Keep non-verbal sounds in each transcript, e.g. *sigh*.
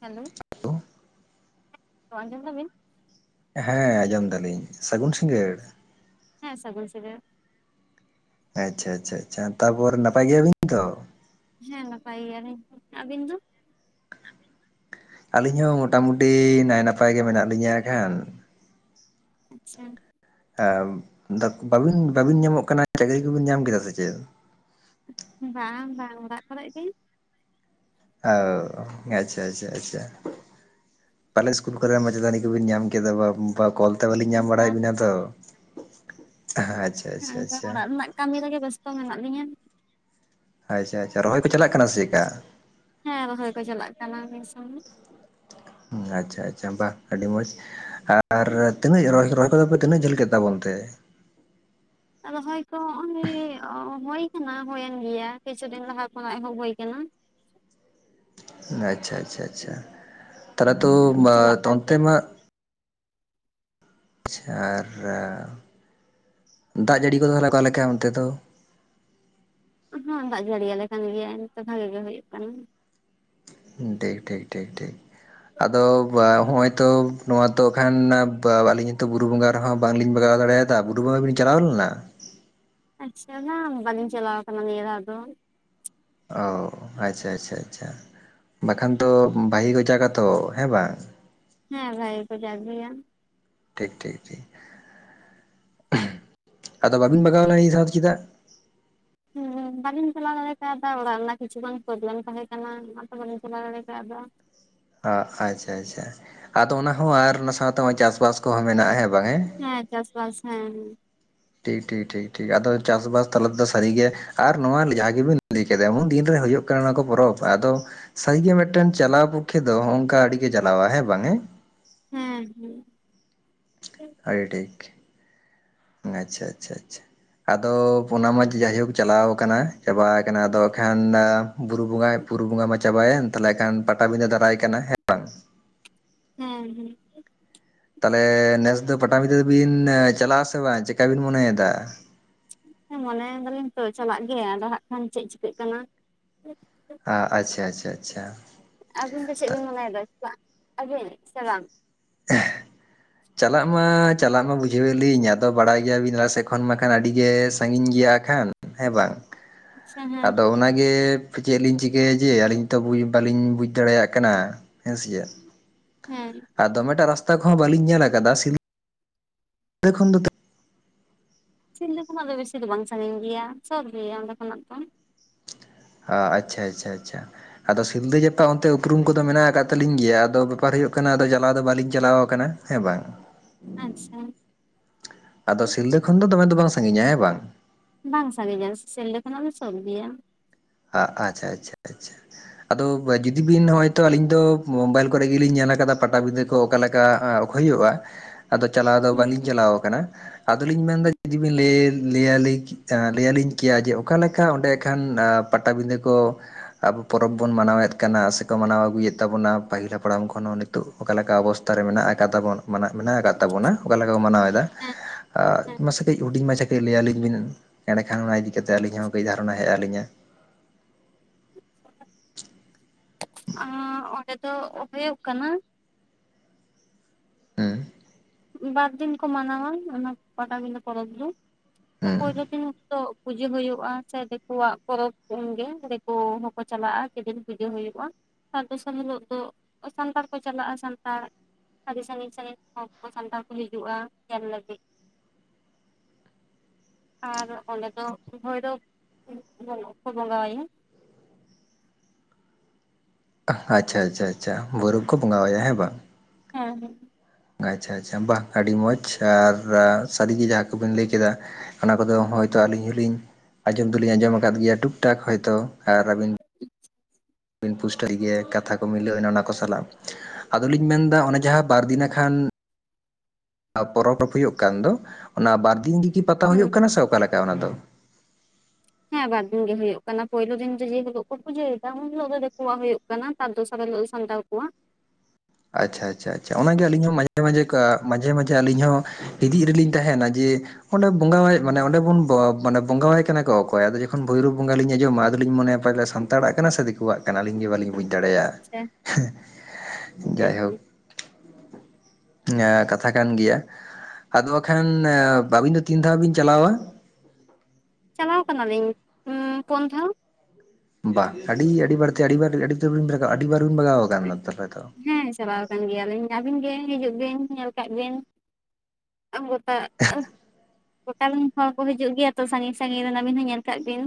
Hello ᱟᱡᱚᱢ ᱫᱟ ᱵᱤᱱ ᱦᱮᱸ ᱟᱸᱡᱚᱢ ᱫᱟᱞᱤᱧ ᱥᱟᱹᱜᱩᱱ ᱥᱤᱸᱜᱟᱹᱲ ᱦᱮᱸ ᱥᱟᱹᱜᱩᱱ ᱥᱤᱜᱟᱹᱲ ᱟᱪᱪᱷᱟ ᱟᱪᱪᱷᱟ ᱟᱪᱪᱷᱟ ᱛᱟᱨᱯᱚᱨ ᱱᱟᱯᱟᱭ ᱜᱮᱭᱟ ᱵᱤᱱ ᱛᱚ ᱦᱮᱸ ᱱᱟᱯᱟᱭ ᱜᱮᱭᱟ ᱞᱤᱧ ᱟᱹᱵᱤᱱ ᱫᱚ ᱟᱹᱞᱤᱧ ᱦᱚᱸ ᱢᱚᱴᱟᱢᱩᱴᱤ ᱱᱟᱭ ᱱᱟᱯᱟᱭ ᱜᱮ ᱢᱮᱱᱟᱜ ᱞᱤᱧᱟᱹ ᱦᱟᱜ ᱠᱷᱟᱱ ᱟᱪᱪᱷᱟ ᱮ ᱵᱟᱵᱤᱱ ᱵᱟᱵᱤᱱ ᱧᱟᱢᱚᱜ ᱠᱟᱱᱟ ᱪᱟᱹᱠᱨᱤ ᱠᱚᱵᱤᱱ ᱧᱟᱢ ᱠᱮᱫᱟ ᱥᱮ ᱪᱮᱫ ᱵᱟᱝ ᱵᱟᱝ ᱚᱲᱟᱜ ᱠᱚᱨᱮ ᱜᱮ ᱚ ᱟᱪᱪᱷᱟ ᱟᱪᱪᱷᱟ ᱟᱪᱪᱷᱟ ᱯᱟᱞᱮ ᱤᱥᱠᱩᱞ ᱠᱚᱨᱮ ᱢᱪᱮᱛᱟᱱᱤ ᱠᱚᱵᱤᱱ ᱧᱟᱢ ᱠᱮᱫᱟ ᱵᱟ ᱵᱟ ᱠᱚᱞ ᱛᱮ ᱵᱟᱹᱞᱤᱧ ᱧᱟᱢ ᱵᱟᱲᱟᱭᱮᱫ ᱵᱟᱝ ᱵᱤᱱᱟ ᱛᱚ ᱟᱪᱪᱷᱟ ᱦᱮᱸ ᱟᱪᱪᱷᱟ ᱮᱱᱠᱷᱟᱱ ᱟᱪᱪᱷᱟ ᱚᱲᱟᱜ ᱨᱮᱱᱟᱜ ᱠᱟᱹᱢᱤ ᱨᱮᱜᱮ ᱵᱮᱥᱛᱚ ᱢᱮᱱᱟᱜ ᱞᱤᱧᱟᱹ ᱟᱪᱪᱷᱟ ᱟᱪᱪᱷᱟ ᱨᱚᱦᱚᱭ ᱠᱚ ᱪᱟᱞᱟᱜ ᱠᱟᱱᱟ ᱥᱮ ᱪᱮᱫᱠᱟ ᱦᱮᱸ ᱨᱚᱦᱚᱭ ᱠᱚ ᱪᱟᱞᱟᱜ ᱠᱟᱱᱟ ᱱᱤᱭᱟ. ᱥᱚᱢᱚᱭ ᱟᱪᱪᱷᱟ ᱟᱪᱪᱷᱟ ᱵᱟ ᱟᱹᱰᱤ ᱢᱚᱸᱡᱽ ᱟᱨ ᱛᱤᱱᱟᱹᱜ ᱨᱚᱦᱚᱭ ᱠᱚᱫᱚ ᱯᱮ ᱛᱤᱱᱟᱹᱜ ᱡᱷᱟᱹᱞ ᱠᱮᱫ ᱛᱟᱵᱚᱱ ᱛᱮ ᱟᱫᱚ ᱨᱚᱦᱚᱭ ᱠᱚ ᱦᱚᱸ ᱱᱚᱜ ᱚᱭ ᱦᱳᱭ ᱠᱟᱱᱟ ᱦᱩᱭᱳᱮᱱ ᱜᱮᱭᱟ ᱠᱤᱪᱷᱩ ᱫᱤᱱ ᱞᱟᱦᱟ ᱠᱷᱚᱱᱟᱜ ᱮᱦᱚᱵ ᱦᱩᱭ ᱠᱟᱱᱟ ᱟᱪᱷᱟ ᱟᱪᱷᱟ ᱟᱪᱷᱟ ᱛᱟᱦᱚᱞᱮ ᱛᱚ ᱪᱟᱞᱟᱜ ᱮ ᱠᱟᱱ ᱚᱱᱛᱮ ᱜᱮᱭᱟ ᱢᱟ ᱟᱪᱷᱟ ᱟᱨ ᱫᱟᱜ ᱡᱟᱹᱲᱤ ᱠᱚᱫᱚ ᱚᱠᱟ ᱞᱮᱠᱟ ᱚᱱᱛᱮ ᱫᱚ ᱦᱚᱸ ᱫᱟᱜ ᱡᱟᱹᱲᱤᱭᱟᱞᱮ ᱠᱟᱱ ᱜᱮᱭᱟᱭ ᱱᱤᱛ ᱵᱷᱟᱜᱤ ᱜᱮ ᱦᱩᱭᱩᱜ ᱠᱟᱱᱟ ᱴᱷᱤᱠ ᱴᱷᱤᱠ ᱴᱷᱤᱠ ᱴᱷᱤᱠ ᱟᱫᱚ ᱦᱚᱜ ᱚᱭ ᱛᱚ ᱱᱚᱣᱟ ᱛᱚ ᱠᱷᱟᱱ ᱟᱹᱞᱤᱧᱚ ᱵᱩᱨᱩ ᱵᱚᱸᱜᱟ ᱨᱮᱦᱚᱸ ᱵᱟᱝᱞᱤᱧ ᱵᱟᱜᱟᱣ ᱫᱟᱲᱮᱭᱟᱜ ᱫᱟ ᱵᱩᱨᱩ ᱵᱚᱜᱟ ᱵᱤᱱ ᱪᱟᱞᱟᱣ ᱞᱮᱱᱟ ᱟᱪᱪᱷᱟ ᱵᱟᱹᱞᱤᱧ ᱪᱟᱞᱟᱣ ᱥᱠᱟᱱᱟ ᱱᱤᱭᱟ ᱫᱷᱟᱳ ᱫᱚ ᱚ ᱟᱪᱷᱟ ᱟᱪᱷᱟ ᱟᱪᱷᱟ ᱵᱟᱠᱷᱟᱱ ᱫᱚ ᱵᱟᱜᱮ ᱠᱚ ᱡᱟᱠ-ᱟ ᱛᱚ ᱦᱮᱸ ᱵᱟᱝ ᱦᱮᱸ ᱵᱷᱟᱜᱮ ᱜᱮᱠᱚ ᱡᱟᱜ ᱜᱮᱭᱟ ᱴᱷᱤᱠ ᱴᱷᱤᱠ ᱴᱷᱤᱠ ᱟᱫᱚ ᱵᱟᱹᱵᱤᱱ ᱵᱟᱜᱟᱣ ᱞᱮᱱᱟ ᱱᱤᱭᱟ. ᱫᱷᱟᱣ ᱫᱚ ᱪᱮᱫᱟᱜ ᱦᱮᱸ ᱵᱟᱹᱝᱞᱤᱧ ᱪᱟᱞᱟᱣ ᱫᱟᱲᱮ ᱠᱟᱣᱫᱟ ᱚᱲᱟᱜ ᱨᱮᱭᱟ ᱠᱤᱪᱷᱩᱜᱟᱱ ᱯᱨᱚᱵᱽᱞᱮᱢ ᱛᱟᱦᱮᱸ ᱠᱟᱱᱟ ᱚᱱᱟᱛᱚ ᱵᱟᱹᱝᱞᱤᱧ ᱪᱟᱞᱟᱣ ᱫᱟᱲᱮ ᱠᱟᱣᱫᱟ ᱚ ᱟᱪᱷᱟ ᱟᱪᱷᱟ ᱟᱫᱚ ᱚᱱᱟ ᱦᱚᱸ ᱟᱨ ᱚᱱᱟ ᱥᱟᱶᱛᱮ ᱱᱚᱜ-ᱚᱭ ᱪᱟᱥᱵᱟᱥ ᱠᱚᱦᱚᱸ ᱢᱮᱱᱟᱜ-ᱟ ᱦᱮᱸ ᱵᱟᱝ ᱦᱮᱸ ᱦᱮᱸ ᱪᱟᱥᱵᱟᱥ ᱦᱮᱸ ᱦᱮ ᱴᱷᱤᱠ ᱴᱷᱤᱠ ᱴᱷᱤᱠ ᱴᱷᱤᱠ ᱟᱫᱚ ᱪᱟᱥᱵᱟᱥ ᱛᱟᱞᱟ ᱛᱮᱫᱚ ᱥᱟᱹᱨᱤᱜᱮ ᱟᱨ ᱱᱚᱣᱟ ᱡᱟᱦᱟᱸ ᱜᱮᱵᱤᱱ ᱞᱟᱹᱭ ᱠᱮᱫᱟ ᱮᱢᱚᱱ ᱫᱤᱱᱨᱮ ᱦᱩᱭᱩᱜ ᱠᱟᱱᱟ ᱱᱚᱣᱟ ᱠᱚ ᱯᱚᱨᱚᱵᱽ ᱟᱫᱚ ᱥᱟᱹᱨᱤᱜᱮ ᱢᱤᱫᱴᱮᱱ ᱪᱟᱞᱟᱣ ᱯᱚᱠᱠᱷᱮ ᱫᱚ ᱚᱝᱠᱟ ᱟᱹᱰᱤ ᱜᱮ ᱡᱟᱞᱟᱣᱟ ᱦᱮᱸ ᱵᱟᱝ ᱦᱮᱸ ᱦᱮᱸ ᱟᱹᱰᱤ ᱴᱷᱤᱠ ᱟᱪᱷᱟ ᱟᱪᱷᱟ ᱟᱪᱷᱟ ᱟᱫᱚ ᱚᱱᱟ ᱢᱟ ᱡᱟᱭᱦᱳᱠ ᱪᱟᱞᱟᱣ ᱟᱠᱟᱱᱟ ᱪᱟᱵᱟ ᱟᱠᱟᱱᱟ ᱟᱫᱚ ᱠᱷᱟᱱ ᱵᱩᱨᱩ ᱵᱚᱸᱜᱟ ᱵᱩᱨᱩ ᱵᱚᱸᱜᱟ ᱢᱟ ᱪᱟᱵᱟᱭᱮᱱ ᱛᱟᱦᱚᱞᱮ ᱠᱷᱟᱱ ᱯᱟᱴᱟᱵᱤᱫᱟᱹ ᱫᱟᱨᱟᱭ ᱠᱟᱱᱟ ᱦᱮᱸ ᱵᱟᱝ ᱦᱮᱸ ᱦᱮᱸ ᱛᱟᱦᱚᱞᱮ ᱱᱮᱥ ᱫᱚ ᱯᱟᱴᱟᱵᱤᱫᱟᱹ ᱫᱚ ᱵᱤᱱ ᱪᱟᱞᱟᱜ ᱟᱥᱮ ᱵᱟᱝ ᱪᱤᱠᱟ ᱵᱤᱱ ᱢᱚᱱᱮᱭᱮᱫᱟ ᱢᱚᱱᱮᱭ ᱮᱫᱟᱞᱤᱧ ᱛᱚ ᱪᱟᱞᱟᱜ ᱜᱮ ᱟᱫᱚ ᱦᱟᱜ ᱠᱷᱟᱱ ᱪᱮᱫ ᱪᱤᱠᱟᱹᱜ ᱠᱟᱱᱟ ᱟᱪᱷᱟ ᱟᱪᱷᱟ ᱟᱪᱷᱟ ᱟᱹᱵᱤᱱ ᱫᱚ ᱪᱮᱫ ᱵᱤᱱ ᱢᱚᱱᱮᱭᱮᱫᱟ ᱟᱹᱵᱤᱱ ᱥᱮ ᱵᱟᱝ ᱦᱮᱸ ᱪᱟᱞᱟᱜ ᱢᱟ ᱪᱟᱞᱟᱜ ᱢᱟ ᱵᱩᱡᱷᱟᱹᱣᱞᱤᱧ ᱟᱫᱚ ᱵᱟᱲᱟᱭ ᱜᱮᱭᱟᱵᱤᱱ ᱟᱞᱮ ᱥᱮᱫ ᱠᱷᱚᱱ ᱢᱟᱠᱷᱟᱱ ᱟᱹᱰᱤ ᱜᱮ ᱥᱟᱺᱜᱤᱧ ᱜᱮᱭᱟ ᱠᱷᱟᱱ ᱦᱮᱸ ᱵᱟᱝ ᱟᱪᱪᱷᱟ ᱦᱮᱸ ᱟᱫᱚ ᱚᱱᱟᱜᱮ ᱪᱮᱫ ᱞᱤᱧ ᱪᱤᱠᱟᱹᱭᱟ ᱡᱮ ᱟᱹᱞᱤᱧ ᱛᱚ ᱵᱟᱞᱤᱧ ᱵᱩᱡᱽ ᱫᱟᱲᱮᱭᱟᱜ ᱠᱟᱱᱟ ᱦᱮᱸᱥᱮ ᱪᱮᱫ ᱦᱮᱸ ᱟᱨ ᱫᱚᱢᱮᱴᱟᱜ ᱨᱟᱥᱛᱟ ᱠᱚᱦᱚ ᱵᱟᱹᱞᱤᱧ ᱧᱮᱞ ᱠᱟᱫᱟ ᱥᱤᱞᱫᱟ. ᱠᱷᱚᱱ ᱫᱚ ᱛᱤᱱ ᱥᱤᱞᱫᱟᱹ ᱠᱷᱚᱱᱟᱜ ᱫᱚ ᱵᱮᱥᱤ ᱫᱚ ᱵᱟᱝ ᱥᱟᱺᱜᱤᱧ ᱜᱮᱭᱟ ᱥᱳᱨ ᱜᱮᱭᱟ ᱚᱸᱰᱮ ᱠᱷᱚᱱᱟᱜ ᱫᱚ ᱚ ᱟᱪᱷᱟ ᱟᱪᱷᱟ ᱟᱪᱷᱟ ᱟᱫᱚ ᱥᱤᱞᱫᱟᱹ ᱡᱟᱯᱟ ᱚᱱᱛᱮ ᱩᱯᱨᱩᱢ ᱠᱚᱫᱚ ᱢᱮᱱᱟᱜ ᱟᱠᱟᱫ ᱛᱟᱹᱞᱤᱧ ᱜᱮᱭᱟ ᱟᱫᱚ ᱵᱮᱯᱟᱨ ᱦᱩᱭᱩᱜ ᱠᱟᱱᱟ ᱟᱫᱚ ᱪᱟᱞᱟᱣ ᱫᱚ ᱵᱟᱹᱞᱤᱧ ᱪᱟᱞᱟᱣ ᱟᱠᱟᱱᱟ ᱦᱮᱸ ᱵᱟᱝ ᱟᱪᱪᱷᱟ ᱟᱫᱚ ᱥᱤᱞᱫᱟᱹ ᱠᱷᱚᱱ ᱫᱚ ᱫᱚᱢᱮ ᱫᱚ ᱵᱟᱝ ᱥᱟᱺᱜᱤᱧᱟ ᱦᱮᱸ ᱵᱟᱝ ᱵᱟᱝ ᱥᱟᱹᱜᱤᱧᱟ ᱥᱤᱞᱫᱟᱹ ᱠᱷᱚᱱᱟᱜ ᱫᱚ ᱥᱳᱨ ᱜᱮᱭᱟ ᱟᱪᱪᱷᱟ ᱟᱪᱪᱷᱟ ᱟᱪᱪᱷᱟ ᱟᱫᱚ ᱡᱩᱫᱤ ᱵᱤᱱ ᱦᱚᱭᱛᱚ ᱟᱞᱤᱧ ᱫᱚ ᱢᱳᱵᱟᱭᱤᱞ ᱠᱚᱨᱮ ᱜᱮ ᱞᱤᱧ ᱧᱮᱞ ᱟᱠᱟᱫᱟ ᱯᱟᱴᱟᱵᱤᱸᱫᱟᱹ ᱠᱚ ᱚᱠᱟᱞᱮᱠᱟ ᱦᱩᱭᱩᱜ-ᱟ ᱟᱫᱚ ᱪᱟᱞᱟᱣ ᱫᱚ ᱦᱮᱸ ᱵᱟᱝᱞᱤᱧ ᱪᱟᱞᱟᱣ ᱟᱠᱟᱱᱟ ᱟᱫᱚᱞᱤᱧ ᱢᱮᱱᱫᱟ ᱡᱩᱫᱤᱵᱤᱱ ᱞᱟᱹᱭᱟᱞᱤᱧ ᱠᱮᱭᱟ ᱡᱮ ᱚᱠᱟ ᱞᱮᱠᱟ ᱚᱸᱰᱮ ᱠᱷᱟᱱ ᱯᱟᱴᱟᱵᱤᱸᱫᱟᱹ ᱠᱚ ᱟᱵᱚ ᱯᱚᱨᱚᱵᱽ ᱵᱚᱱ ᱢᱟᱱᱟᱣᱮᱫ ᱠᱟᱱᱟ ᱥᱮᱠᱚ ᱢᱟᱱᱟᱣ ᱟᱹᱜᱩᱭᱮᱫ ᱛᱟᱵᱚᱱᱟ ᱯᱟᱹᱦᱤᱞ ᱦᱟᱯᱲᱟᱢ ᱠᱷᱚᱱ ᱦᱚᱸ ᱚᱠᱟ ᱞᱮᱠᱟ ᱚᱵᱚᱥᱛᱷᱟ ᱨᱮ ᱢᱮᱱᱟᱜ ᱟᱠᱟᱫ ᱢᱮᱱᱟᱜ ᱟᱠᱟᱫ ᱛᱟᱵᱚᱱᱟ ᱚᱠᱟ ᱞᱮᱠᱟ ᱵᱚᱱ ᱢᱟᱱᱟᱣ ᱮᱫᱟ ᱦᱮᱸ ᱦᱮᱸ ᱢᱟᱥᱮ ᱠᱟᱹᱡ ᱦᱩᱰᱤᱧ ᱢᱟᱪᱷᱟ ᱠᱟᱹᱡ ᱞᱟᱹᱭᱟᱞᱤᱧ ᱵᱤᱱ ᱮᱸᱰᱮ ᱠᱷᱟᱱ ᱚᱱᱟ ᱤᱫᱤ ᱠᱟᱛᱮᱫ ᱟᱹᱞᱤᱧ ᱦᱚᱸ ᱠᱟᱹᱡ ᱫᱷᱟᱨᱚᱱᱟ ᱦᱮᱡ ᱟᱹᱞᱤᱧᱟᱹ ᱚᱸᱰᱮ ᱫᱚ ᱦᱩᱭᱩᱜ ᱠᱟᱱᱟ ᱦᱩᱸ ᱵᱟᱨ ᱫᱤᱱ ᱠᱚ ᱢᱟᱱᱟᱣᱟ ᱚᱱᱟ ᱯᱟᱴᱟᱵᱤᱸᱫᱟᱹ ᱯᱚᱨᱚᱵᱽ ᱫᱚ ᱛᱚ ᱦᱩᱸ ᱯᱳᱭᱞᱳ ᱫᱤᱱ ᱫᱚ ᱯᱩᱡᱟᱹ ᱦᱩᱭᱩᱜ-ᱟ ᱥᱮ ᱫᱤᱠᱩᱣᱟᱜ ᱯᱚᱨᱚᱵᱽ ᱠᱚ ᱜᱮ ᱫᱤᱠᱩ ᱦᱚᱸᱠᱚ ᱪᱟᱞᱟᱜ-ᱟ ᱠᱮᱫᱤᱱ ᱯᱩᱡᱟᱹ ᱦᱩᱭᱩᱜ-ᱟ ᱛᱟᱨ ᱫᱚᱥᱟᱨ ᱦᱤᱞᱳᱜ ᱫᱚ ᱥᱟᱱᱛᱟᱲ ᱠᱚ ᱪᱟᱞᱟᱜ-ᱟ ᱥᱟᱱᱛᱟᱲ ᱟᱹᱰᱤ ᱥᱟᱺᱜᱤᱧ ᱥᱟᱺᱜᱤᱧ ᱠᱷᱚᱱ ᱥᱟᱱᱛᱟᱲ ᱠᱚ ᱦᱤᱡᱩᱜᱼᱟ ᱧᱮᱞ ᱞᱟᱹᱜᱤᱫ ᱟᱨ ᱚᱸᱰᱮ ᱫᱚ ᱵᱷᱳᱭᱨᱳᱵᱽ ᱵᱚᱸᱜᱟ ᱠᱚ ᱵᱚᱸᱜᱟ ᱟᱭᱟ ᱟᱪᱪᱷᱟ ᱟᱪᱪᱷᱟ ᱟᱪᱪᱷᱟ ᱵᱷᱳᱭᱨᱳᱵᱽ ᱠᱚ ᱵᱚᱸᱜᱟ ᱟᱭᱟ ᱦᱮᱸ ᱵᱟᱝ ᱦᱮᱸ ᱦᱮᱸ ᱟᱪᱪᱷᱟ ᱟᱪᱪᱷᱟ ᱵᱟᱝ ᱟᱹᱰᱤ ᱢᱚᱸᱡᱽ ᱟᱨ ᱥᱟᱹᱨᱤ ᱜᱮ ᱡᱟᱦᱟᱸ ᱠᱚᱵᱤᱱ ᱞᱟᱹᱭ ᱠᱮᱫᱟ ᱚᱱᱟ ᱠᱚᱫᱚ ᱦᱚᱭᱛᱳ ᱟᱹᱞᱤᱧ ᱦᱚᱞᱤᱧ ᱟᱸᱡᱚᱢ ᱫᱚᱞᱤᱧ ᱟᱸᱡᱚᱢ ᱟᱠᱟᱫ ᱜᱮᱭᱟ ᱴᱩᱠ ᱴᱟᱠ ᱦᱚᱭᱛᱳ ᱟᱨ ᱟᱹᱵᱤᱱ ᱯᱩᱥᱴᱟᱹᱜ ᱜᱮᱭᱟ ᱠᱟᱛᱷᱟ ᱠᱚ ᱢᱤᱞᱟᱹᱣᱱᱟ ᱚᱱᱟ ᱠᱚ ᱥᱟᱞᱟᱜ ᱟᱫᱚ ᱞᱤᱧ ᱢᱮᱱᱫᱟ ᱚᱱᱮ ᱡᱟᱦᱟᱸ ᱵᱟᱨ ᱫᱤᱱ ᱱᱟᱠᱷᱟᱱ ᱯᱚᱨᱚᱵᱽ ᱦᱩᱭᱩᱜ ᱠᱟᱱ ᱫᱚ ᱚᱱᱟ ᱵᱟᱨᱫᱤᱱ ᱜᱮᱠᱤ ᱯᱟᱛᱟ ᱦᱮᱸ ᱦᱩᱭᱩᱜ ᱠᱟᱱᱟ ᱥᱮ ᱚᱠᱟ ᱞᱮᱠᱟ ᱚᱱᱟ ᱫᱚ ᱦᱮᱸ ᱵᱟᱨ ᱫᱤᱱ ᱜᱮ ᱦᱩᱭᱩᱜ ᱠᱟᱱᱟ ᱯᱳᱭᱞᱳ ᱫᱤᱱ ᱫᱚ ᱡᱮ ᱦᱤᱞᱳᱜ ᱠᱚ ᱯᱩᱡᱟᱹᱭᱮᱫᱟ ᱩᱱ ᱦᱤᱞᱳᱜ ᱫᱚ ᱫᱽᱠᱩᱣᱟᱜ ᱦᱩᱭᱩᱜ ᱠᱟᱱᱟ ᱠᱟᱱᱟ ᱛᱟᱨ ᱫᱚᱥᱟᱨ ᱦᱤᱞᱳᱜ ᱫᱚ ᱥᱟᱱᱛᱟᱲ ᱠᱚᱣᱟᱜ ᱟᱪᱪᱷᱟ ᱟᱪᱪᱷᱟ ᱟᱪᱪᱷᱟ ᱚᱱᱟᱜᱮ ᱟᱞᱤᱧ ᱦᱚᱸ ᱢᱟᱡᱷᱮ ᱢᱟᱡᱷᱮ ᱠᱟ ᱢᱟᱡᱷᱮ ᱢᱟᱡᱷᱮ ᱟᱹᱞᱤᱧ ᱦᱚᱸ ᱦᱤᱫᱤᱡ ᱨᱮᱞᱤᱧ ᱛᱟᱦᱮᱸᱱᱟ ᱡᱮ ᱚᱸᱰᱮ ᱵᱚᱸᱜᱟᱭ ᱢᱟᱱᱮ ᱚᱸᱰᱮ ᱵᱚᱱ ᱵᱚᱸᱜᱟᱣᱟᱭ ᱠᱟᱱᱟ ᱠᱚ ᱚᱠᱚᱭ ᱟᱫᱚ ᱡᱚᱠᱷᱚᱱ ᱵᱷᱳᱭᱨᱳᱵᱽ ᱵᱚᱸᱜᱟ ᱞᱤᱧ ᱟᱸᱡᱚᱢᱟ ᱟᱫᱚ ᱞᱤᱧ ᱢᱚᱱᱮᱭᱟ ᱯᱟᱞᱮ ᱥᱟᱱᱛᱟᱲᱟᱜ ᱠᱟᱱᱟ ᱥᱮ ᱫᱤᱠᱩᱣᱟᱜ ᱠᱟᱱᱟ ᱟᱹᱞᱤᱧ ᱜᱮ ᱵᱟᱞᱤᱧ ᱵᱩᱡᱽ ᱫᱟᱲᱮᱭᱟᱜᱼᱟ ᱥᱮ ᱦᱮᱸ ᱡᱟᱭᱦᱳᱠ ᱠᱟᱛᱷᱟ ᱠᱟᱱ ᱜᱮᱭᱟ ᱟᱫᱚ ᱵᱟᱠᱷᱟᱱ ᱟᱹᱵᱤᱱ ᱫᱚ ᱛᱤᱱ ᱫᱷᱟᱣ ᱵᱤᱱ ᱪᱟᱞᱟᱣᱟ ᱪᱟᱞᱟᱣ ᱠᱟᱱᱟᱞᱤᱧ ᱯᱩᱱ ᱫᱷᱟᱣ ᱵᱟᱝ ᱟᱹᱰᱤᱟᱰᱤ ᱵᱟᱨᱛᱮ ᱟᱹᱰᱤ ᱟᱹᱰᱤ ᱵᱟᱨ ᱵᱤᱱᱟᱜ ᱟᱹᱰᱤᱵᱟᱨ ᱵᱤᱱ ᱵᱟᱜᱟᱣᱟ ᱦᱮᱸ ᱪᱟᱞᱟᱣ ᱟᱠᱟᱱ ᱜᱮᱭᱟ ᱞᱤᱧ ᱟᱹᱵᱤᱱ ᱜᱮ ᱦᱤᱡᱩᱜ ᱵᱤᱱ ᱧᱮᱞ ᱠᱟᱜ ᱵᱤᱱ ᱟ ᱜᱚᱴᱟ ᱜᱚᱴᱟ ᱨᱤᱱ ᱦᱚᱲ ᱠᱚ ᱦᱤᱡᱩᱜ ᱜᱮᱭᱟ ᱛᱚ ᱥᱟᱺᱜᱤᱧ ᱥᱟᱺᱜᱤᱧ ᱨᱤᱱ ᱟᱹᱵᱤᱱ ᱦᱚᱸ ᱧᱮᱞ ᱠᱟᱜ ᱵᱤᱱ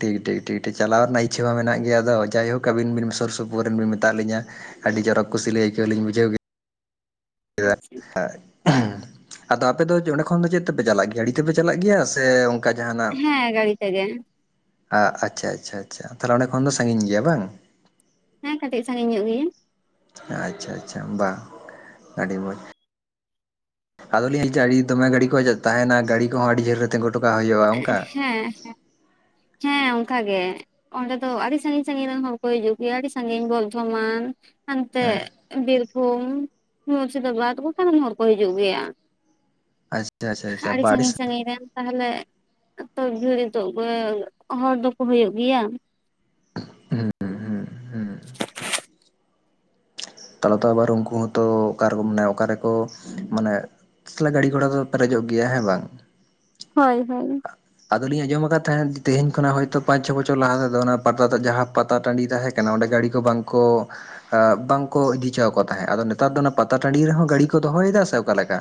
ᱴᱷᱤᱠ ᱴᱷᱤᱠ ᱴᱷᱤᱠ ᱴᱷᱤᱠ ᱪᱟᱞᱟᱣ ᱨᱮᱱᱟᱜ ᱤᱪ ᱪᱷᱟᱹ ᱢᱟ ᱢᱮᱱᱟᱜ ᱜᱮᱭᱟ ᱟᱫᱚ ᱡᱟᱭᱦᱚ ᱟᱹᱵᱤᱱ ᱵᱤᱱ ᱥᱩᱨ ᱥᱩᱯᱩᱨ ᱨᱮᱱ ᱵᱤᱱ ᱢᱮᱛᱟᱜ ᱞᱤᱧᱟᱹ ᱟᱹᱰᱤ ᱡᱚᱨᱚᱠ ᱠᱩᱥᱤ ᱞᱤᱧ ᱟᱹᱭᱠᱟᱹᱣ ᱞᱤᱧ ᱵᱩᱡᱷᱟᱹᱣ ᱠᱮᱫᱟ ᱠᱮᱫᱟ ᱟᱪᱪᱷᱟ ᱦᱚ ᱟᱫᱚ ᱟᱯᱮ ᱫᱚ ᱚᱸᱰᱮ ᱠᱷᱚᱱ ᱫᱚ ᱪᱮᱫ ᱛᱮᱯᱮ ᱪᱟᱞᱟᱜ ᱜᱮᱭᱟ ᱜᱟᱹᱰᱤ ᱛᱮᱯᱮ ᱪᱟᱞᱟᱜ ᱜᱮᱭᱟ ᱥᱮ ᱚᱱᱠᱟ ᱡᱟᱦᱟᱱᱟᱜ ᱦᱮᱸ ᱜᱟᱹᱲᱤ ᱛᱮᱜᱮ ᱟᱪ ᱪᱷᱟ ᱟᱪ ᱪᱷᱟ ᱪᱷᱟ ᱛᱟᱦᱚᱞᱮ ᱚᱸᱰᱮ ᱠᱷᱚᱱ ᱫᱚ ᱥᱟᱺᱜᱤᱧ ᱜᱮᱭᱟ ᱵᱟᱝ ᱦᱮᱸ ᱠᱟᱹᱴᱤᱡ ᱥᱟᱺᱜᱤᱧ ᱧᱚᱜ ᱜᱮᱭᱟ ᱟᱪ ᱪᱷᱟ ᱟᱪ ᱪᱷᱟ ᱵᱟᱝ ᱟᱹᱰᱤ ᱢᱚᱡ ᱟᱫᱚᱞᱤᱧ ᱦᱮᱡᱼᱟ ᱟᱹᱰᱤ ᱫᱚᱢᱮ ᱜᱟᱹᱰᱤ ᱠᱚ ᱛᱟᱦᱮᱸᱱᱟ ᱜᱟᱹᱰᱤ ᱠᱚᱦᱚᱸ ᱟᱹᱰᱤ ᱡᱷᱟᱹᱞ ᱨᱮ ᱛᱮᱸᱜᱳ ᱦᱚᱴᱚ ᱠᱟᱜ ᱦᱩᱭᱩᱜᱼᱟ ᱚᱱᱠᱟ ᱦᱮᱸ ᱦᱮᱸ ᱦᱮᱸ ᱚᱱᱠᱟ ᱜᱮ ᱚᱸᱰᱮ ᱫᱚ ᱟᱹᱰᱤ ᱥᱟᱺᱜᱤᱧ ᱥᱟᱺᱜᱤᱧ ᱨᱮᱱ ᱦᱚᱲ ᱠᱚ ᱦᱤᱡᱩᱜ ᱜᱮᱭᱟ ᱟᱹᱰᱤ ᱥᱟᱺᱜᱤᱧ ᱵᱚᱨᱫᱷᱚᱢᱟᱱ ᱟᱱᱛᱮ ᱦᱮᱸ ᱵᱤᱨᱨᱵᱷᱩᱢ ᱢᱩᱨᱥᱤᱫᱟᱵᱟᱫᱽ ᱜᱚᱴᱟ ᱨᱮᱱ ᱦᱚᱲ ᱠᱚ ᱦᱤᱡᱩᱜ ᱜᱮᱭᱟ ᱟᱪᱪᱷᱟ ᱟᱪᱪᱷᱟ ᱟᱪᱪᱷᱟ ᱟᱹᱰᱤ ᱵᱟ ᱥᱟᱺᱜᱤᱧ ᱥᱟᱺᱜᱤᱧ ᱨᱮᱱ ᱛᱟᱦᱚᱞᱮ ᱛᱚᱵᱮ ᱵᱷᱤᱲ ᱛᱚ ᱦᱚᱲ ᱫᱚᱠᱚ ᱦᱩᱭᱩᱜ ᱜᱮᱭᱟ ᱦᱮᱸ ᱦᱮᱸ ᱛᱟᱞᱮ ᱛᱚ ᱟᱵᱟᱨ ᱩᱱᱠᱩ ᱦᱚᱸᱛᱚ ᱚᱠᱟᱨᱮ ᱢᱟᱱᱮ ᱚᱠᱟ ᱨᱮᱠᱚ ᱢᱟᱱᱮ *inaudible* ᱜᱟᱹᱰᱤ ᱜᱷᱚᱲᱟ ᱫᱚ ᱯᱮᱨᱮᱡᱚᱜ ᱜᱮᱭᱟ ᱦᱮᱸ ᱵᱟᱝ ᱦᱚᱭ ᱦᱚᱭ ᱟᱫᱚ ᱞᱤᱧ ᱟᱸᱡᱚᱢ ᱟᱠᱟᱫ ᱛᱟᱦᱮᱸᱫ ᱛᱮᱦᱮᱧ ᱠᱷᱚᱱᱟᱜ ᱦᱚᱭᱛᱚ ᱯᱟᱸᱪ ᱪᱷᱚ ᱵᱚᱪᱷᱚᱨ ᱞᱟᱦᱟ ᱛᱮᱫᱚ ᱚᱱᱟ ᱯᱟᱛᱟ ᱡᱟᱦᱟᱸ ᱯᱟᱛᱟ ᱴᱟᱺᱰᱤ ᱛᱟᱦᱮᱸ ᱠᱟᱱᱟ ᱚᱸᱰᱮ ᱜᱟᱹᱰᱤ ᱠᱚ ᱵᱟᱝᱠᱚ ᱵᱟᱝᱠᱚ ᱤᱫᱤ ᱦᱚᱪᱚ ᱟᱠᱚ ᱛᱟᱦᱮᱸᱫ ᱟᱫᱚ ᱱᱮᱛᱟᱨ ᱫᱚ ᱚᱱᱟ ᱯᱟᱛᱟ ᱴᱟᱺᱰᱤ ᱨᱮᱦᱚᱸ ᱜᱟᱹᱰᱤ ᱠᱚ ᱫᱚᱦᱚᱭᱮᱫᱟ ᱥᱮ ᱚᱠᱟ ᱞᱮᱠᱟ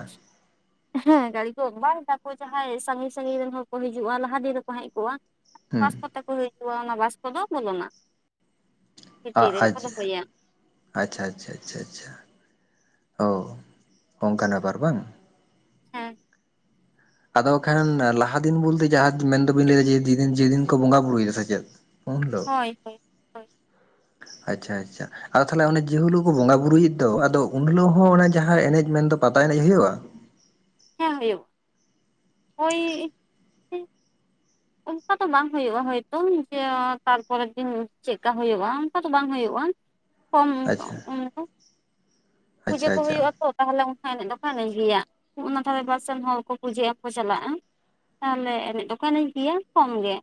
ᱦᱮᱸ ᱜᱟᱹᱲᱤ ᱠᱚ ᱵᱟᱝ ᱛᱟᱨᱯᱚᱨ ᱡᱟᱦᱟᱸᱭ ᱥᱟᱺᱜᱤᱧ ᱥᱟᱺᱜᱤᱧ ᱨᱮᱱ ᱦᱚᱲ ᱠᱚ ᱦᱤᱡᱩᱜᱼᱟ ᱞᱟᱦᱟ ᱫᱤᱱ ᱨᱮᱠᱚ ᱦᱮᱡ ᱠᱚᱜᱼᱟ ᱵᱟᱥ ᱦᱩᱸ ᱠᱚ ᱛᱮᱠᱚ ᱦᱤᱡᱩᱜᱼᱟ ᱚᱱᱟ ᱵᱟᱥ ᱫᱚ ᱵᱚᱞᱚᱱᱟ ᱵᱷᱤᱛᱤᱨ ᱨᱮᱜᱮ ᱟᱡ ᱠᱚ ᱫᱚᱦᱚᱭᱟ ᱟᱪ ᱪᱷᱟ ᱟᱪ ᱪᱷᱟ ᱟᱪ ᱪᱷᱟ ᱟᱪ ᱪᱷᱟ ᱚ ᱚᱱᱠᱟᱱ ᱵᱮᱯᱟᱨ ᱵᱟᱝ ᱦᱮᱸ ᱟᱫᱚ ᱠᱷᱟᱱ ᱞᱟᱦᱟ ᱫᱤᱱ ᱵᱚᱞᱛᱮ ᱡᱟᱦᱟᱸ ᱢᱮᱱ ᱫᱟᱵᱤᱱ ᱞᱟᱹᱭ ᱫᱟ ᱡᱮᱫᱤᱱ ᱡᱮᱫᱤᱱ ᱠᱚ ᱵᱚᱸᱜᱟ ᱵᱩᱨᱩᱭ ᱫᱟ ᱥᱮ ᱪᱮᱫ ᱩᱱ ᱫᱚ ᱦᱚᱭ ᱟᱪ ᱪᱷᱟ ᱟᱪ ᱪᱷᱟ ᱟᱫᱚ ᱛᱟᱦᱚᱞᱮ ᱡᱮ ᱦᱤᱞᱚᱜ ᱠᱚ ᱵᱚᱸᱜᱟᱼᱵᱩᱨᱩ ᱮᱫ ᱫᱚ ᱟᱫᱚ ᱩᱱ ᱦᱤᱞᱚᱜ ᱦᱚᱸ ᱚᱱᱟ ᱡᱟᱦᱟᱸ ᱮᱱᱮᱡ ᱢᱮᱱᱫᱚ ᱯᱟᱛᱟ ᱮᱱᱮᱡ ᱦᱩᱭᱩᱜᱼᱟ ᱦᱮᱸ ᱦᱩᱭᱩᱜ ᱦᱚᱭ ᱚᱱᱠᱟ ᱫᱚ ᱵᱟᱝ ᱦᱩᱭᱩᱜᱼᱟ ᱦᱚᱭ ᱛᱚ ᱡᱮ ᱛᱟᱨ ᱯᱚᱨᱮ ᱫᱤᱱ ᱪᱮᱫ ᱠᱟ ᱦᱩᱭᱩᱜᱼᱟ ᱚᱱᱠᱟ ᱫᱚ ᱵᱟᱝ ᱦᱩᱭᱩᱜᱼᱟ ᱟᱪᱪᱷᱟ *inaudible* ᱯᱩᱡᱟᱹ ᱟᱪᱪᱷᱟ ᱠᱚ ᱟᱪᱪᱷᱟ ᱦᱩᱭᱩᱜ ᱟᱛᱚ ᱛᱟᱦᱚᱞᱮ ᱚᱱᱠᱟ ᱮᱱᱮᱡ ᱫᱚ *inaudible* ᱜᱮᱭᱟ ᱚᱱᱟ ᱫᱷᱟᱨᱮ ᱯᱟᱥᱮᱱ ᱦᱚᱲ ᱠᱚ ᱯᱩᱡᱟᱹ ᱮᱢ ᱠᱚ ᱪᱟᱞᱟᱜᱼᱟ ᱛᱟᱦᱚᱞᱮ ᱮᱱᱮᱡ ᱫᱚᱠᱚ ᱮᱱᱮᱡ ᱜᱮᱭᱟ ᱠᱚᱢ ᱜᱮ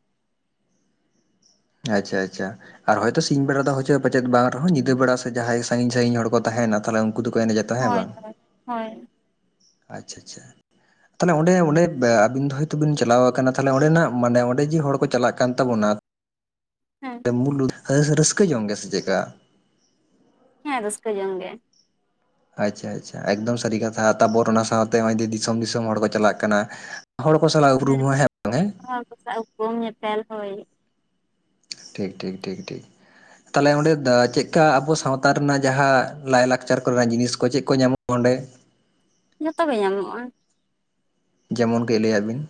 ᱟᱪ ᱪᱷᱟ ᱟᱪ ᱪᱷᱟ ᱟᱨ ᱦᱚᱭᱛᱚ ᱥᱤᱧ ᱵᱮᱲᱟ ᱫᱚ ᱦᱚᱪᱮ ᱯᱟᱪᱮᱫ ᱵᱟᱝ ᱨᱮᱦᱚᱸ ᱧᱤᱫᱟᱹ ᱵᱮᱲᱟ ᱥᱮ ᱡᱟᱦᱟᱸᱭ ᱥᱟᱺᱜᱤᱧ ᱥᱟᱺᱜᱤᱧ ᱦᱚᱲ ᱠᱚ ᱛᱟᱸᱦᱮᱱᱟ ᱛᱟᱦᱮᱞᱮ ᱠᱩ ᱫᱚᱠᱚ ᱮᱱᱮᱡᱮᱫ ᱦᱚᱭ ᱦᱚᱭ ᱦᱚᱭ ᱟᱪ ᱪᱷᱟ ᱟᱪ ᱪᱷᱟ ᱛᱟᱦᱚᱞᱮ ᱚᱸᱰᱮ ᱚᱸᱰᱮ ᱟᱹᱵᱤᱱ ᱫᱚ ᱦᱚᱭᱛᱚ ᱵᱤᱱ ᱪᱟᱞᱟᱣ ᱠᱟᱱᱟ ᱛᱟᱦᱚᱞᱮ ᱚᱸᱰᱮ ᱱᱟᱜ ᱢᱟᱱᱮ ᱚᱸᱰᱮ ᱡᱮ ᱦᱚᱲ ᱠᱚ ᱪᱟᱞᱟᱜ ᱠᱟᱱ ᱛᱟᱵᱚᱱᱟ ᱦᱮᱸ *inaudible* ᱨᱟᱹᱥᱠᱟᱹ ᱡᱚᱝ ᱜᱮ ᱥᱮ ᱪᱮᱫ ᱠᱟ ᱦᱮᱸ ᱨᱟᱹᱥᱠᱟᱹ ᱡᱚᱝ ᱜᱮ ᱟᱪ ᱪᱷᱟ ᱟᱪ ᱪᱷᱟ ᱮᱠᱫᱚᱢ ᱥᱟᱹᱨᱤ ᱠᱟᱛᱷᱟ ᱛᱟᱨ ᱯᱚᱨᱮ ᱚᱱᱟ ᱥᱟᱶᱛᱮ ᱱᱚᱜᱼᱚᱭ ᱫᱤᱥᱚᱢ ᱫᱤᱥᱚᱢ ᱦᱚᱲ ᱠᱚ ᱪᱟᱞᱟᱜ ᱠᱟᱱᱟ ᱦᱚᱲ ᱠᱚ ᱥᱟᱞᱟᱜ ᱩᱯᱨᱩᱢ ᱦᱮᱸ ᱵᱟᱝ ᱦᱮᱸ ᱦᱚᱲ ᱠᱚ ᱥᱟᱣ ᱩᱯᱨᱩᱢ ᱧᱮᱯᱮᱞ ᱦᱚᱭ ᱴᱷᱤᱠ ᱴᱷᱤᱠ ᱴᱷᱤᱠ ᱴᱷᱤᱠ ᱛᱟᱦᱚᱞᱮ ᱚᱸᱰᱮ ᱪᱮᱫᱠᱟ ᱟᱵᱚ ᱥᱟᱶᱛᱟ ᱨᱮᱱᱟᱜ ᱡᱟᱦᱟᱸ ᱞᱟᱹᱭ ᱞᱟᱠᱪᱟᱨ ᱠᱚᱨᱮᱱᱟᱜ ᱡᱤᱱᱤᱥ ᱠᱚ ᱪᱮᱫ ᱠᱚ ᱧᱟᱢᱚᱜ *inaudible* ᱚᱸᱰᱮ ᱡᱷᱚᱛᱚ ᱜᱮ ᱧᱟᱢᱚᱜᱼᱟ ᱡᱮᱢᱚᱱ ᱠᱟᱹᱡ ᱞᱟᱹᱭᱟᱜ ᱵᱤᱱ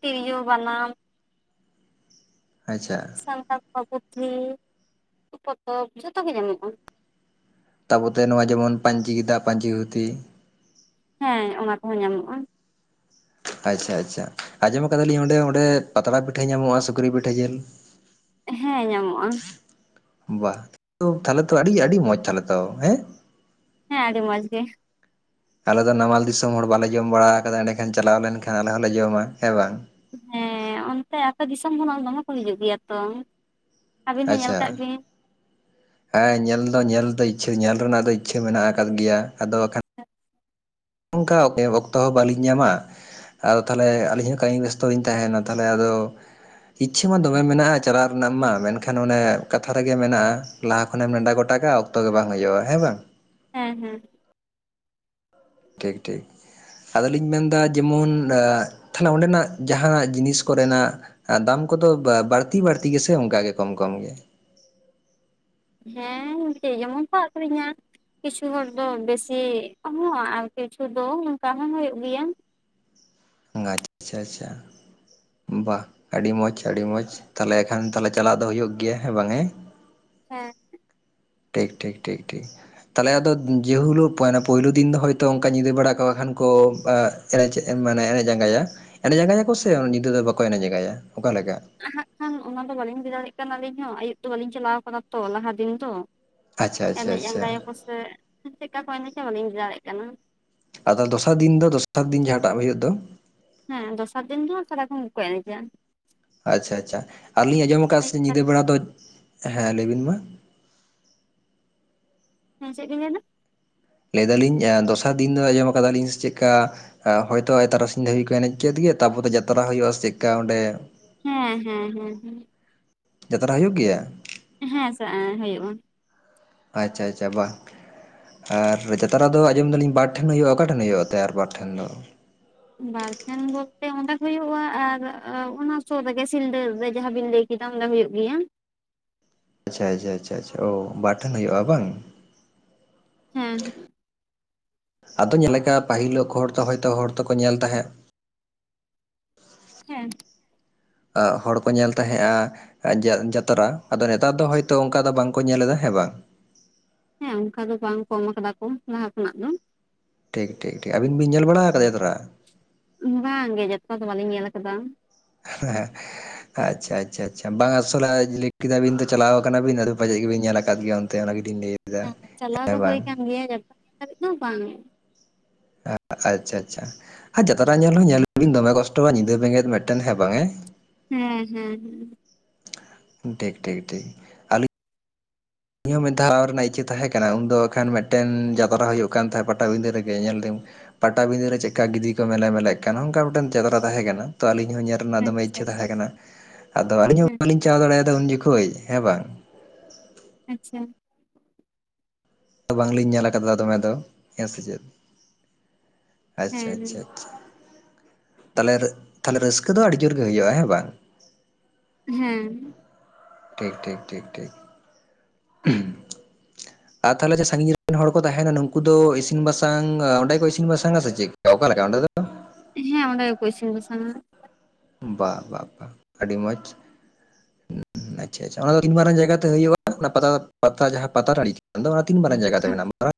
ᱛᱤᱨᱤᱭᱳ ᱵᱟᱱᱟᱢ ᱟᱪᱪᱷᱟ ᱥᱟᱱᱛᱟᱲ ᱠᱚᱣᱟᱜ ᱯᱩᱛᱷᱤ ᱯᱚᱛᱚᱵ ᱡᱷᱚᱛᱚ ᱜᱮ ᱧᱟᱢᱚᱜᱼᱟ ᱛᱟᱯᱚᱛᱮ ᱱᱚᱣᱟ ᱡᱮᱢᱚᱱ ᱯᱟᱹᱧᱪᱤ ᱜᱮᱸᱫᱟᱜ ᱯᱟᱹᱧᱪᱤ ᱫᱷᱩᱛᱤ ᱦᱮᱸ ᱚᱱᱟ ᱠᱚᱦᱚᱸ ᱧᱟᱢᱚᱜᱼᱟ ᱟᱪ ᱪᱷᱟ ᱟᱪ ᱪᱷᱟ ᱟᱸᱡᱚᱢ ᱟᱠᱟᱫᱟᱞᱤᱧ ᱚᱸᱰᱮ ᱚᱸᱰᱮ ᱯᱟᱛᱲᱟ ᱯᱤᱴᱷᱟᱹ ᱧᱟᱢᱚᱜᱼᱟ ᱥᱩᱠᱨᱤ ᱯᱤᱴᱷᱟᱹ ᱡᱤᱞ ᱦᱮᱸ ᱧᱟᱢᱚᱜᱼᱟ ᱵᱟ ᱛᱟᱦᱚᱞᱮ ᱛᱚ ᱟᱹᱰᱤ ᱟᱹᱰᱤ ᱢᱚᱸᱡ ᱛᱟᱦᱚᱞᱮ ᱛᱚ ᱦᱮᱸ ᱦᱮᱸ ᱟᱹᱰᱤ ᱢᱚᱡ ᱜᱮ *inaudible* ᱟᱞᱮ ᱫᱚ ᱱᱟᱢᱟᱞ ᱫᱤᱥᱚᱢ ᱦᱚᱲ ᱵᱟᱞᱮ ᱡᱚᱢ ᱵᱟᱲᱟ ᱠᱟᱫᱟ ᱮᱸᱰᱮᱠᱷᱟᱱ ᱪᱟᱞᱟᱣ ᱞᱮᱱ ᱠᱷᱟᱱ ᱟᱞᱮ ᱦᱚᱞᱮ ᱡᱚᱢᱟ ᱦᱮᱸ ᱵᱟᱝ ᱦᱮᱸ ᱚᱱᱛᱮ ᱟᱯᱮ ᱫᱤᱥᱚᱢ ᱠᱷᱚᱱᱟᱜ ᱫᱚᱢᱮᱠᱚ ᱦᱤᱡᱩᱜ ᱜᱮᱭᱟ ᱛᱚ᱾ ᱟᱹᱵᱤᱱ ᱦᱚᱸ ᱧᱮᱞ ᱟᱪᱪᱷᱟ‍! ᱠᱟᱜ ᱵᱤᱱ ᱦᱮᱸ ᱧᱮᱞ ᱫᱚ ᱧᱮᱞ ᱫᱚ ᱤᱪᱪᱷᱟᱹ ᱧᱮᱞ ᱨᱮᱱᱟᱜ ᱫᱚ ᱤᱪᱪᱷᱟᱹ ᱢᱮᱱᱟᱜ ᱟᱠᱟᱫ ᱜᱮᱭᱟ, ᱟᱫᱚ ᱵᱟᱠᱷᱟᱱᱹᱹ ᱦᱮ *inaudible* ᱱᱚᱝᱠᱟ ᱚᱠᱛᱚ ᱦᱚᱸ ᱵᱟᱹᱞᱤᱧ ᱧᱟᱢᱟ ᱟᱫᱚ ᱛᱟᱦᱚᱞᱮ ᱟᱹᱞᱤᱧ ᱦᱚᱸ ᱠᱟᱹᱢᱤ ᱵᱮᱥᱛᱚ ᱞᱤᱧ ᱛᱟᱸᱦᱮᱱᱟ ᱛᱟᱦᱚᱞᱮ ᱟᱫᱚ ᱤᱪᱪᱷᱟᱹ ᱢᱟ ᱫᱚᱢᱮ ᱢᱮᱱᱟᱜᱼᱟ ᱪᱟᱞᱟᱣ ᱨᱮᱱᱟᱜ ᱢᱟ ᱢᱮᱱ ᱠᱷᱟᱱ ᱚᱱᱮ ᱠᱟᱛᱷᱟ ᱨᱮᱜᱮ ᱢᱮᱱᱟᱜᱼᱟ ᱞᱟᱦᱟ ᱠᱷᱚᱱᱮᱢ ᱱᱮᱰᱟ ᱜᱚᱴᱟ ᱠᱟᱜᱼᱟ ᱚᱠᱛᱚ ᱜᱮ ᱵᱟᱝ ᱦᱩᱡᱩᱜᱼᱟ ᱦᱮᱸ ᱵᱟᱝ ᱦᱮᱸ ᱦᱮᱸ ᱴᱷᱤᱠ ᱴᱷᱤᱠ ᱟᱫᱚ ᱞᱤᱧ ᱢᱮᱱᱫᱟ ᱡᱮᱢᱚᱱ ᱮᱸᱜ ᱛᱟᱦᱚᱞᱮ ᱚᱸᱰᱮᱱᱟᱜ ᱡᱟᱦᱟᱱᱟᱜ ᱡᱤᱱᱤᱥ ᱠᱚᱨᱮᱱᱟᱜ ᱟᱨ ᱫᱟᱢ ᱠᱚᱫᱚ ᱵᱟᱹᱲᱛᱤ ᱵᱟᱹᱲᱛᱤ ᱜᱮᱥᱮ ᱚᱱᱠᱟ ᱜᱮ ᱠᱚᱢ ᱠᱚᱢ ᱜᱮ ᱦᱮᱸ ᱡᱮ ᱡᱮᱢᱚᱱ ᱠᱚ ᱟᱹᱠᱷᱨᱤᱧᱟ ᱠᱤᱪᱷᱩ ᱦᱚᱲ ᱫᱚ ᱵᱮᱥᱤ ᱠᱚᱦᱚᱸ ᱟᱨ ᱠᱤᱪᱷᱩ ᱫᱚ ᱚᱱᱠᱟ ᱦᱚᱸ ᱦᱩᱭᱩᱜ ᱜᱮᱭᱟ ᱟᱪᱪᱷᱟ ᱟᱪᱪᱷᱟ ᱵᱟᱜ ᱟᱹᱰᱤ ᱢᱚᱸᱡᱽ ᱟᱹᱰᱤ ᱢᱚᱸᱡᱽ, ᱛᱟᱦᱚᱞᱮ ᱮᱠᱷᱟᱱ ᱛᱟᱦᱚᱞᱮ ᱪᱟᱞᱟᱜ ᱫᱚ ᱦᱩᱭᱩᱜ ᱜᱮᱭᱟ ᱦᱮᱸ ᱵᱟᱝ ᱦᱮᱸ᱾ ᱦᱮᱸ, ᱴᱷᱤᱠ ᱴᱷᱤᱠ, ᱴᱷᱤᱠ ᱴᱷᱤᱠ ᱛᱟᱦᱚᱞᱮ ᱟᱫᱚ ᱡᱮ ᱦᱤᱞᱳᱜ ᱯᱳᱭᱞᱳ ᱫᱤᱱ ᱫᱚ ᱦᱚᱭᱛᱳ ᱚᱱᱠᱟ ᱧᱤᱫᱟᱹ ᱵᱟᱲᱟ ᱠᱚᱟᱜ ᱠᱷᱟᱱ ᱠᱚ *unintelligible* *unintelligible* ᱮᱱᱮᱡ ᱟᱸᱜᱟᱭᱟ ᱮᱱᱮᱡ ᱟᱸᱜᱟᱭᱟᱠᱚ ᱥᱮ ᱧᱤᱫᱟᱹ ᱫᱚ ᱵᱟᱠᱚ ᱮᱱᱮᱡ ᱟᱸᱜᱟᱭᱟ ᱚᱠᱟᱞᱮᱠᱟ᱾ ᱦᱟᱜ ᱠᱷᱟᱱ ᱚᱱᱟ ᱫᱚ ᱵᱟᱞᱤᱧ ᱤᱫᱤ ᱫᱟᱲᱮᱭᱟᱜ ᱠᱟᱱᱟᱞᱤᱧ ᱦᱚᱸ ᱟᱹᱭᱩᱵ ᱫᱚ ᱵᱟᱹᱞᱤᱧ ᱪᱟᱞᱟᱣ ᱠᱟᱱᱟ ᱛᱚ ᱞᱟᱦᱟ ᱫᱤᱱ ᱛᱚ᱾ ᱟᱪᱪᱷᱟ ᱟᱪᱪᱷᱟ ᱮᱱᱮᱡ ᱟᱪᱪᱷᱟ ᱟᱸᱜᱟᱭᱟᱠᱚ ᱥᱮ ᱪᱮᱫᱠᱟ ᱠᱚ ᱮᱱᱮᱡᱟ ᱵᱟᱞᱤᱧ ᱞᱟᱹᱭ ᱫᱟᱲᱮᱜ ᱠᱟᱱᱟ ᱟᱫᱚ ᱫᱚᱥᱟᱨ ᱫᱤᱱ ᱫᱚ ᱫᱚᱥᱟᱨ ᱫᱤᱱ ᱡᱟᱦᱟᱸᱴᱟᱜ ᱦᱩᱭᱩᱜ ᱫᱚ ᱦᱮᱸ ᱫᱚᱥᱟᱨ ᱫᱤᱱ ᱫᱚ ᱥᱟᱨᱟ ᱠᱷᱚᱱ ᱠᱚ ᱮᱱᱮᱡᱟ᱾ ᱟᱪᱪᱷᱟ ᱟᱪᱪᱷᱟ ᱟᱨᱞᱤᱧ ᱟᱸᱡᱚᱢ ᱟᱠᱟᱫ ᱥᱮ ᱟᱹᱭᱩᱵ ᱧᱤᱫᱟᱹ ᱫᱷᱟᱹᱵᱤᱡ ᱵᱮᱲᱟ ᱫᱚ, ᱦᱮᱸ ᱞᱟᱹᱭᱵᱤᱱ ᱢᱟ ᱦᱮᱸ ᱪᱮᱫ ᱵᱮᱱ ᱞᱮᱫᱟ ᱞᱟᱹᱭ ᱫᱟᱞᱤᱧ ᱫᱚᱥᱟᱨ ᱫᱤᱱ ᱫᱚ ᱟᱸᱡᱚᱢ ᱟᱠᱟᱫᱟᱞᱤᱧ ᱥᱮ ᱪᱮᱫᱠᱟ ᱦᱚᱳᱭᱛᱳ ᱛᱟᱨᱟᱥᱤᱧ ᱫᱷᱟᱹᱵᱤᱡ ᱠᱚ ᱮᱱᱮᱡ ᱠᱮᱫ ᱜᱮ ᱛᱟᱯᱚᱛᱮ ᱡᱟᱛᱨᱟ ᱦᱩᱭᱩᱜᱼᱟ ᱥᱮ ᱪᱮᱫᱠᱟ ᱚᱸᱰᱮ ᱦᱮᱸ ᱦᱮᱸ ᱦᱮᱸ ᱦᱮᱸ ᱡᱟᱛᱨᱟ ᱦᱩᱭᱩᱜ ᱜᱮᱭᱟ ᱦᱮᱸ *unintelligible* ᱦᱩᱭᱩᱜᱼᱟ ᱟᱪᱪᱷᱟ ᱟᱪᱪᱷᱟ ᱵᱟᱝ ᱟᱨ ᱡᱟᱛᱨᱟ ᱫᱚ ᱟᱸᱡᱚᱢ ᱫᱟᱞᱤᱧ ᱵᱟᱨ ᱴᱷᱮᱱ ᱦᱩᱭᱩᱜᱼᱟ ᱚᱠᱟ ᱴᱷᱮᱱ ᱦᱩᱭᱩᱜᱼᱟ ᱛᱮ ᱟᱨ ᱵᱟᱨ ᱴᱷᱮᱱ ᱫᱚ ᱵᱟᱨ ᱴᱷᱮᱱ ᱵᱚᱞᱛᱮ ᱚᱸᱰᱮ ᱦᱩᱭᱩᱜᱼᱟ ᱟᱨ ᱚᱱᱟ ᱥᱩᱨ ᱨᱮᱜᱮ ᱥᱤᱞᱫᱟᱹ ᱨᱮ ᱡᱟᱦᱟᱸᱵᱤᱱ ᱞᱟᱹᱭ ᱠᱮᱫ *unintelligible* ᱫᱚ ᱦᱩᱭᱩᱜ ᱜᱮᱭᱟ ᱟᱪᱷᱟ ᱟᱪᱷᱟ ᱟᱪᱷᱟ ᱚ ᱵᱟᱨ ᱴᱷᱮᱱ ᱦᱩᱭᱩᱜᱼᱟ ᱵᱟᱝ ᱦᱮᱸ ᱟᱫᱚ ᱧᱮᱞ ᱞᱮᱠᱟ ᱯᱟᱹᱦᱤᱞᱳᱜ ᱦᱚᱲ ᱛᱚ ᱦᱚᱭᱛᱚ ᱦᱚᱲ ᱛᱠᱚ ᱧᱮᱞ ᱛᱟᱦᱮᱸᱫ ᱦᱮᱸ ᱚ ᱦᱚᱲ ᱠᱚ ᱧᱮᱞ ᱛᱟᱦᱮᱸᱫᱼᱟ ᱡᱟ ᱡᱟᱛᱨᱟ ᱟᱫᱚ ᱱᱮᱛᱟᱨ ᱫᱚ ᱦᱚᱭᱛᱳ ᱚᱱᱠᱟ ᱫᱚ ᱵᱟᱝᱠᱚ ᱧᱮᱞ ᱮᱫᱟ ᱦᱮᱸ ᱵᱟᱝ ᱦᱮᱸ ᱚᱱᱠᱟ ᱫᱚ ᱵᱟᱝ ᱠᱚᱢ ᱮᱢ ᱠᱟᱫᱟ ᱠᱚ ᱞᱟᱦᱟ ᱠᱷᱚᱱᱟᱜ ᱫᱚ ᱴᱷᱤᱠ ᱴᱷᱤᱠ ᱴᱷᱤᱠ ᱟᱵᱤᱱ ᱵᱤᱱ ᱧᱮᱞ ᱵᱟᱲᱟ ᱟᱠᱟᱫᱭᱟ ᱡᱟᱛᱲᱟ ᱵᱟᱝ ᱜᱮ ᱡᱚᱛᱚ ᱫᱚ ᱵᱟᱹᱞᱤᱧ ᱧᱮᱞ ᱟᱠᱟᱫᱟ ᱦᱮᱸ ᱟᱪᱪᱷᱟ ᱟᱪᱪᱷᱟ ᱟᱪᱪᱷᱟ ᱵᱟᱝ ᱟᱥᱚᱞᱮ ᱞᱮ ᱠᱮᱫᱟᱵᱤᱱ ᱛᱚ ᱪᱟᱞᱟᱣ ᱠᱟᱱᱟ ᱵᱤᱱ ᱟᱫᱚ ᱯᱟᱪᱮᱫ ᱜᱮᱵᱤᱱ ᱧᱮᱞ ᱟᱠᱟᱫ ᱜᱮᱭᱟ ᱛᱮ *unintelligible* ᱜᱮ ᱛᱤᱧ ᱞᱮ ᱦᱮᱸ ᱪᱟᱞᱟᱣ ᱫᱚ ᱦᱩᱭ ᱠᱟᱱ ᱜᱮᱭᱟ *inaudible* ᱫᱷᱤᱡ ᱫᱚ ᱵᱟᱝ ᱟᱪᱪᱷᱟ ᱟᱪᱪᱷᱟ ᱟᱨ ᱡᱟᱛᱨᱟ ᱧᱮᱞ ᱦᱚᱸ ᱧᱮᱞ ᱵᱤᱱ ᱫᱚᱢᱮ ᱠᱚᱥᱴᱚᱜᱣᱟ ᱧᱤᱫᱟᱹ ᱵᱮᱸᱜᱮᱫ ᱢᱤᱫᱴᱮᱱ ᱦᱮᱸ ᱵᱟᱝ ᱦᱮᱸ ᱦᱩᱸ ᱦᱩᱸ ᱦᱩᱸ ᱴᱷᱤᱠ ᱴᱷᱤᱠ ᱴᱷᱤᱠ ᱤᱧᱦᱚᱸ ᱢᱤᱫ ᱫᱷᱟᱣ ᱨᱮᱱᱟᱜ ᱤᱪᱪᱟᱹ ᱛᱟᱦᱮ ᱠᱟᱱᱟ ᱩᱱᱫᱚ ᱮᱠᱷᱟᱱ ᱢᱤᱫᱴᱮᱱ ᱡᱟᱛᱨᱟ ᱦᱩᱭᱩᱜ ᱠᱟᱱ ᱛᱟᱦᱮᱸᱫ ᱯᱟᱛᱟᱵᱤᱸᱰᱟᱹ ᱨᱮᱜᱮ ᱧᱮᱞᱫᱟᱹᱧ ᱯᱟᱴᱟ ᱵᱤᱸᱫᱟᱹ ᱨᱮ ᱪᱮᱫ ᱠᱟ ᱜᱤᱫᱤ ᱠᱚ ᱢᱮᱞᱮ‌ ᱢᱮᱞᱮᱜ ᱠᱟᱱᱟ ᱚᱱᱠᱟ ᱢᱤᱫᱴᱟᱱ ᱡᱟᱛᱨᱟ ᱛᱟᱦᱮᱸ ᱠᱟᱱᱟ ᱛᱚ ᱟᱞᱤᱧ‌ ᱦᱚᱸ ᱧᱮᱞᱼᱼ ᱨᱮᱱᱟᱜ ᱫᱚᱢᱮ ᱟᱪᱪᱷᱟ ᱤᱪᱷᱟᱹ ᱟᱪᱪᱷᱟ ᱛᱟᱦᱮᱸ ᱠᱟᱱᱟ ᱟᱫᱚ ᱟᱞᱤᱧ ᱦᱚᱸ ᱦᱮᱸ ᱵᱟᱞᱤᱧ ᱪᱟᱞᱟ ᱫᱟᱲᱮᱭᱟᱫᱟ ᱩᱱ ᱡᱚᱠᱷᱚᱡ ᱦᱮᱸ ᱵᱟᱝᱼᱼ ᱟᱪᱷᱟ ᱵᱟᱝᱞᱤᱧ ᱧᱮᱞ ᱟᱠᱟᱫᱟ ᱫᱚᱢᱮ ᱫᱚ ᱾ ᱦᱮᱸ ᱥᱮ ᱪᱮᱫ? ᱟᱪᱷᱟ ᱦᱮᱸ ᱟᱪᱷᱟ ᱟᱷᱟ ᱛᱟᱞᱮ ᱛᱟᱞᱮ ᱨᱟᱹᱥᱠᱟᱹ ᱫᱚ ᱟᱹᱰᱤ ᱡᱳᱨᱜᱮ ᱦᱩᱭᱩᱜᱼᱟ᱾ ᱦᱮᱸ ᱵᱟᱝ? ᱦᱮᱸ ᱴᱷᱤᱠ ᱴᱷᱤᱠ ᱴᱷᱤᱠ ᱴᱷᱤᱠ *unintelligible* ᱟᱨ ᱛᱟᱦᱚᱞᱮ ᱡᱮ ᱥᱟᱺᱜᱤᱧ ᱨᱮᱱ ᱦᱚᱲ ᱠᱚ ᱟᱛᱟᱦᱞᱮ ᱡᱮ ᱥᱟᱹᱜᱤᱧ ᱨᱮᱱ ᱦᱚᱲ ᱠᱚ ᱱᱩᱠᱩ ᱫᱚ ᱤᱥᱤᱱ ᱵᱟᱥᱟᱝ ᱟ ᱰᱮ ᱠᱚ ᱤᱥᱤᱱ ᱵᱟᱥᱟᱝ ᱟ ᱥᱮ ᱪᱮᱫ ᱚᱠᱟᱮ ᱞᱮᱠᱟ ᱚᱸᱰᱮ ᱫᱚ? ᱦᱮᱸ ᱚᱸᱰᱮ ᱜᱮᱠᱚᱭ ᱤᱥᱤᱝ ᱵᱟᱥᱟᱝ ᱟ ᱵᱟ ᱵᱟ ᱵᱟ ᱟᱹᱰᱤ ᱢᱚᱡᱽ ᱦᱩ ᱟᱪᱷᱟ ᱟᱪᱷᱟ ᱚᱱᱟ ᱫᱚ ᱛᱤᱱ ᱢᱟᱨᱟᱝ ᱡᱟᱭᱜᱟᱛᱮ ᱦᱩᱭᱩᱜᱼᱟ ᱚᱱᱟ ᱯᱟ ᱯᱟᱛᱟ ᱡᱟᱦᱟᱸ ᱯᱟᱛᱟ ᱴᱟᱹᱱᱲᱤ ᱟᱫᱚ ᱟ ᱚᱱᱟ ᱛᱤᱱ ᱢᱟᱨᱟᱝ ᱡᱟᱭᱜᱟ ᱛᱮ ᱦᱮᱸ ᱢᱮᱱᱟᱜ-ᱟ ᱱᱟ ᱢᱟᱨᱟᱝᱼᱼ